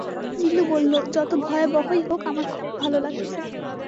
নীলু বলল, যত ভয়াবহই হোক, আমার খুব ভালো লাগছে।